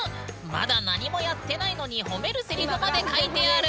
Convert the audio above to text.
まだ何もやってないのに褒めるセリフまで書いてある！